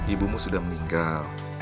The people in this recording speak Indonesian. ibumu sudah meninggal